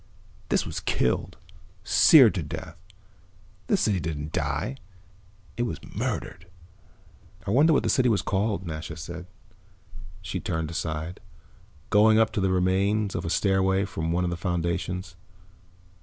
This was killed, seared to death. This city didn't die it was murdered." "I wonder what the city was called," Nasha said. She turned aside, going up the remains of a stairway from one of the foundations.